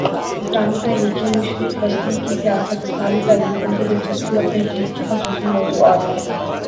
اسلامی تحریکیں، مشرق وسطی کی سیاست، اسلامی تعلیم، ان کی دلچسپی اور تحقیق کے خصوصی موضوعات تھے۔